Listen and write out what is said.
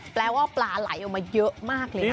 แปลว่าปลาไหลออกมาเยอะมากเลยนะ